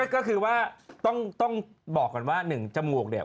ก็คือว่าต้องบอกก่อนว่า๑จมูกเนี่ย